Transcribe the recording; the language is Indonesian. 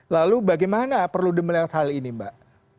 lalu bagaimana perlu melihat hal ini mbak